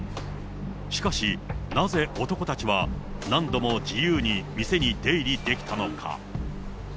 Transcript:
しかし、なぜ男たちは何度も自由に店に出入りできたのか。